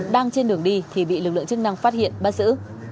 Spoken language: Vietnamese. đang trên đường đi thì bị lực lượng chức năng phát hiện bắt giữ